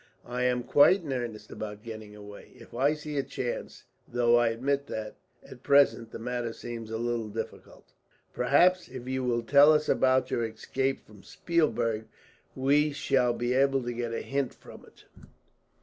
"I am quite in earnest about getting away, if I see a chance; though I admit that, at present, the matter seems a little difficult." "Perhaps if you will tell us about your escape from Spielberg, we shall be able to get a hint from it."